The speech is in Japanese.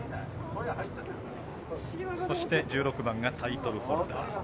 そして、１６番タイトルホルダー。